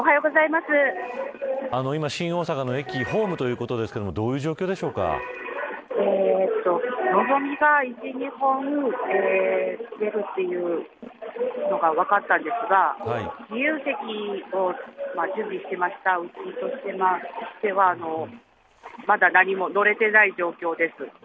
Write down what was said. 新大阪の駅ホームということですがのぞみが１、２本出るというのが分かったんですが自由席を準備していましたうちとしてはまだ何も乗れていないところです。